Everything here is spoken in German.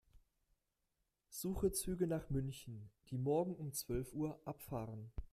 Suche Züge nach München, die morgen um zwölf Uhr abfahren.